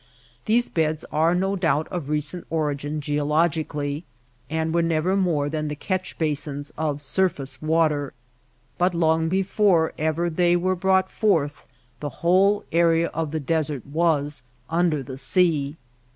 These beds are no doubt of recent origin geologically, and were never more than the catch basins of sur face water ; but long before ever they were brought forth the whole area of the desert was under the sea.